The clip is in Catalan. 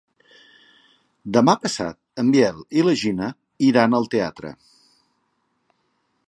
Demà passat en Biel i na Gina iran al teatre.